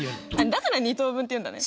だから２等分っていうんだね。